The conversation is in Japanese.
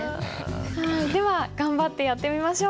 では頑張ってやってみましょう。